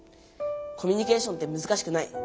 「コミュニケーションってむずかしくない」